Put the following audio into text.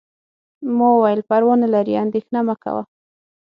ما وویل: پروا نه لري، اندیښنه مه کوه.